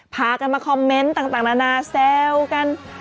พากันมาคอมเมนต์ต่างนานาแซวกัน